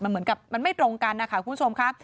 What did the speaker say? เหมือนกับมันไม่ตรงกันนะคะคุณผู้ชมค่ะ